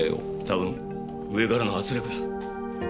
たぶん上からの圧力だ。